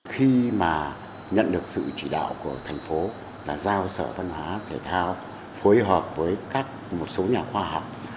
khi mà nhận được sự chỉ đạo của thành phố là giao sở văn hóa thể thao phối hợp với một số nhà khoa học